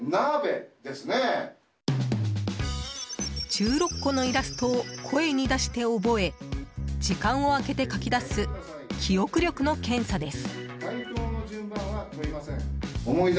１６個のイラストを声に出して覚え時間を空けて書き出す記憶力の検査です。